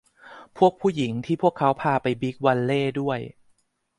พวกผู้หญิงที่พวกเขาพาไปบิ๊กวัลเลย์ด้วย